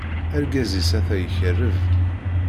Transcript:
Argaz-is ata ikeṛṛeb.